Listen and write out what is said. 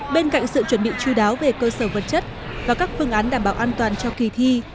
bên cạnh sự chuẩn bị chú đáo về cơ sở vật chất và các phương án đảm bảo an toàn cho kỳ thi